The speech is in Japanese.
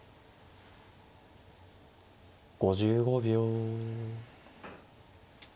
５５秒。